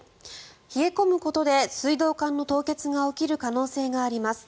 冷え込むことで水道管の凍結が起きる可能性があります。